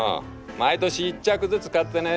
毎年１着ずつ買ってね